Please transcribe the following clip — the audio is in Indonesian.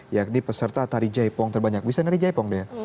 yakni peserta tari jaipong terbanyak bisa nari jaipong deh